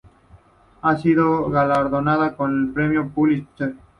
Ha sido galardonada con el Premio Pulitzer.